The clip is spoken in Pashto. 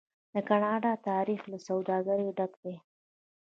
د کاناډا تاریخ له سوداګرۍ ډک دی.